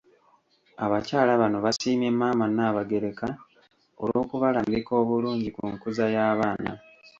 Abakyala bano basiimye Maama Nnaabagereka olw’okubalambika obulungi ku nkuza y’abaana.